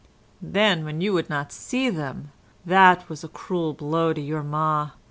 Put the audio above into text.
"Then when you would not see them, that was a cruel blow to your ma.